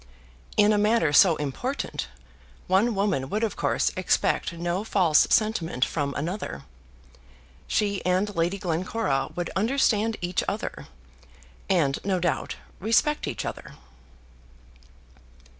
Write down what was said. In a matter so important, one woman would of course expect no false sentiment from another. She and Lady Glencora would understand each other; and no doubt, respect each other.